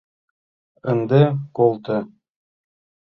— Ынде колто!